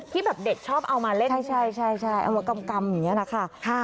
ที่แบบเด็กชอบเอามาเล่นใช่เอามากำอย่างนี้แหละค่ะ